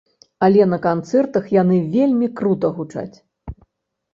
Але на канцэртах яны вельмі крута гучаць.